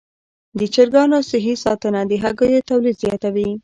د چرګانو صحي ساتنه د هګیو تولید زیاتوي.